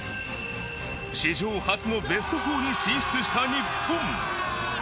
史上初のベスト４に進出した日本。